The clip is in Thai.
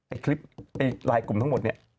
คลิปไอ้ลายกลุ่มทั้งหมดเนี่ย